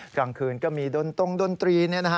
กลางคืนก็มีดนตรงดนตรี